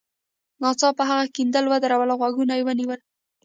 ناڅاپه هغه کیندل ودرول او غوږونه یې ونیول